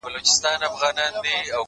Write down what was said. سوله كوم خو زما دوه شرطه به حتمآ منې؛